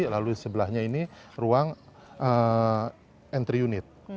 lalu sebelahnya ini ruang entry unit